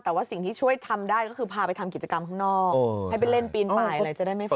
แต่ว่าสิ่งที่ช่วยทำได้ก็คือพาไปทำกิจกรรมข้างนอกให้ไปเล่นปีนไปอะไรจะได้ไม่ฟัง